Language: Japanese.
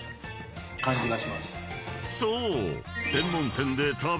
［そう］